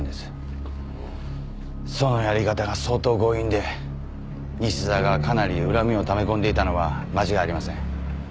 そのやり方が相当強引で西沢がかなり恨みをため込んでいたのは間違いありません。